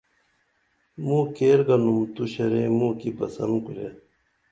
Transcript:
موں کیر گنُم تو شرے موں کی بسن کُرے